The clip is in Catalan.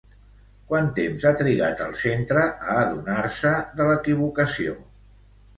Quant temps ha trigat el centre a adonar-se de l'equivocació?